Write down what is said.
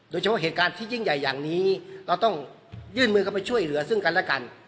โดยเฉพาะเหตุการณ์ที่ยิ่งใหญ่อย่างนี้เราต้องยื่นมือเข้าไปช่วยเหลือซึ่งกันและกัน